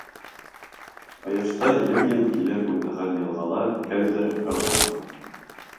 Ҡояшта йым-йым килеп уйнаған йылғала кемдер һыу ала.